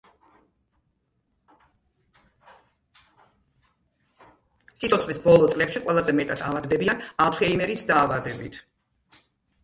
სიცოცხლის ბოლო წლებში ყველაზე მეტად ავადდებიან ალცჰეიმერის დაავადებით.